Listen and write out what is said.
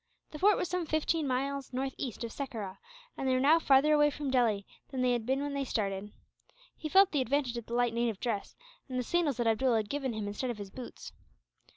The fort was some fifteen miles northeast of Sekerah, and they were now farther away from Delhi than they had been when they started. He felt the advantage of the light native dress, and the sandals that Abdool had given him instead of his boots.